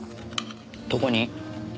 どこに？